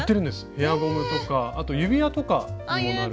ヘアゴムとかあと指輪とかにもなる。